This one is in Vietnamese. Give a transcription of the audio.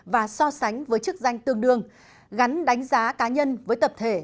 và so sánh với chức danh tương đương gắn đánh giá cá nhân với tập thể